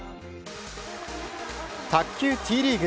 卓球Ｔリーグ。